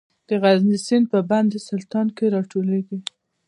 د غزني سیند په بند سلطان کې راټولیږي